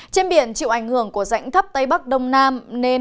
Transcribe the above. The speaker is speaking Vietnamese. trên biển chịu ảnh hưởng của rãnh thấp tây bắc đông nam nên